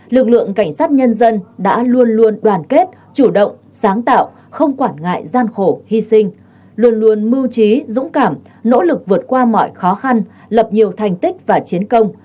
lực lượng cảnh sát nhân dân đã luôn luôn đoàn kết chủ động sáng tạo không quản ngại gian khổ hy sinh luôn luôn mưu trí dũng cảm nỗ lực vượt qua mọi khó khăn lập nhiều thành tích và chiến công